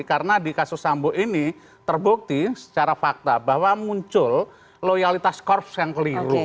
karena di kasus sambo ini terbukti secara fakta bahwa muncul loyalitas korps yang keliru